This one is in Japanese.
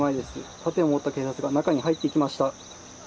盾を持った警察官が中に入っていきました。